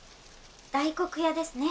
大黒屋ですね。